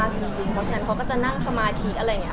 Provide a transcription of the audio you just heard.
เพราะฉะนั้นเขาก็จะนั่งสมาธิ